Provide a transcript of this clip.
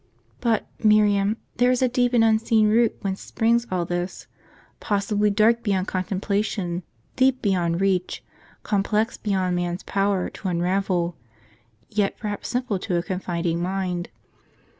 But, Miriam, there is a deep and unseen root whence springs all this, possibly dark beyond contemplation, deep beyond reach, complex beyond man's power to unravel; yet perhaps simple to a confiding mind.